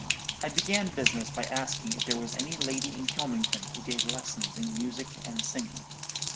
"I began business by asking if there was any lady in Kylmington who gave lessons in music and singing.